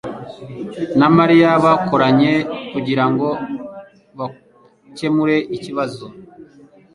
na Mariya bakoranye kugirango bakemure ikibazo.